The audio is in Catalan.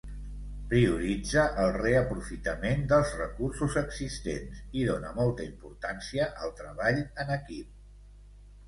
Prioritza el reaprofitament dels recursos existents i dona molta importància al treball en equip.